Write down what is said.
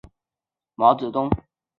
这是杨美真首次见到毛泽东。